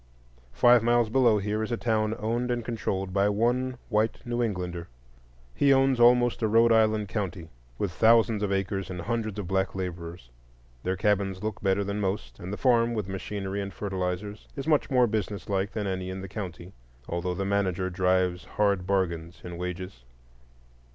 Five miles below here is a town owned and controlled by one white New Englander. He owns almost a Rhode Island county, with thousands of acres and hundreds of black laborers. Their cabins look better than most, and the farm, with machinery and fertilizers, is much more business like than any in the county, although the manager drives hard bargains in wages.